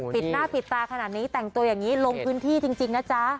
ปิดหน้าปิดตาขนาดนี้แต่งตัวอย่างนี้ลงพื้นที่จริงนะจ๊ะ